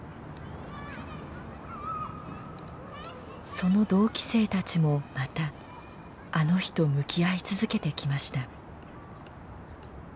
その同期生たちもまたあの日と向き合い続けてきました。